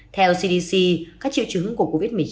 theo cdc các triệu chứng của covid một mươi chín